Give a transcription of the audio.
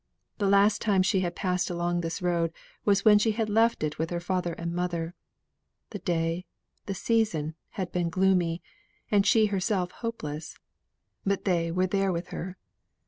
The last time she had passed along this road was when she had left it with her father and mother the day, the season, had been gloomy, and she herself hopeless, but they were there with her.